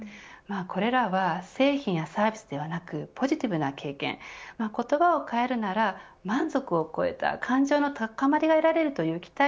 これらは製品やサービスではなくポジティブな経験言葉を変えるなら満足を超えた感情の高まりが得られるという期待